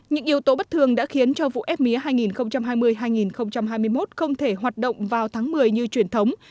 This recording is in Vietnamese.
những yếu tố bất thường đã khiến cho vụ ép mía hai nghìn hai mươi hai nghìn hai mươi một không thể hoạt động vào tháng một mươi như truyền thống